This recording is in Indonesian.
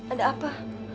eh ada apa